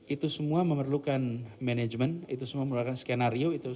itu semua memerlukan manajemen itu semua memerlukan skenario